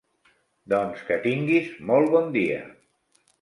Doncs que tinguis molt bon dia.